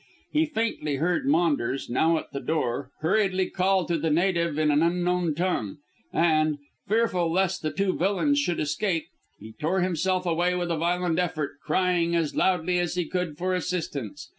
He faintly heard Maunders, now at the door, hurriedly call to the native in an unknown tongue, and, fearful lest the two villains should escape, he tore himself away with a violent effort, crying as loudly as he could for assistance.